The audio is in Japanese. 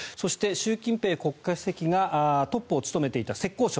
習近平国家主席がトップを務めていた浙江省